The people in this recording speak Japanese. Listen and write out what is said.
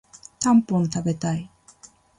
たんぽん食べたい